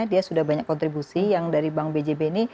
dia sudah banyak kontribusi yang dari bank bjb ini